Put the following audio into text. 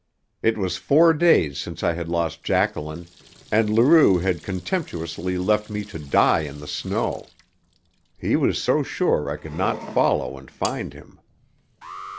It was four days since I had lost Jacqueline, and Leroux had contemptously left me to die in the snow. He was so sure I could not follow and find him.